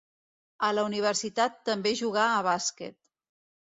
A la Universitat també jugà a bàsquet.